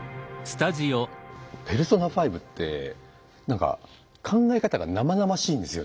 「ペルソナ５」ってなんか考え方が生々しいんですよ